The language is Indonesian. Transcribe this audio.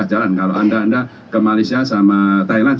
kalau anda ke malaysia dengan thailand